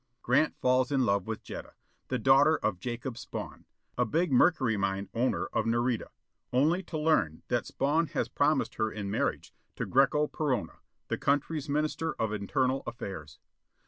Grant falls in love with Jetta, the daughter of Jacob Spawn, a big mercury mine owner of Nareda, only to learn that Spawn has promised her in marriage to Greko Perona, the country's Minister of Internal Affairs.